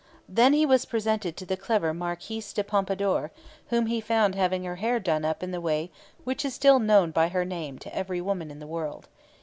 Then he was presented to the clever Marquise de Pompadour, whom he found having her hair done up in the way which is still known by her name to every woman in the world.